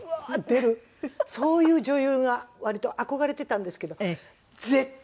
出るそういう女優が割と憧れてたんですけど絶対無理。